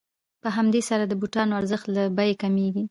په همدې سره د بوټانو ارزښت له بیې کمېږي